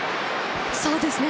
そうですね。